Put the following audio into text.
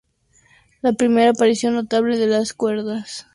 La primera aparición notable de las cuerdas es para anunciar el segundo tema.